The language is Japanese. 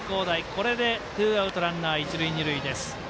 これでツーアウトランナー、一塁二塁です。